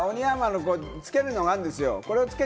つけるのがあるんですよ。